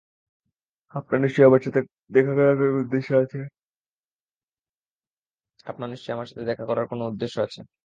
আপনার নিশ্চয়ই আমার সাথে দেখা করার কোন উদ্দেশ্য আছে?